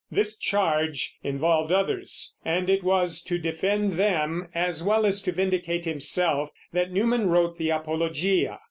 This charge involved others, and it was to defend them, as well as to vindicate himself, that Newman wrote the Apologia.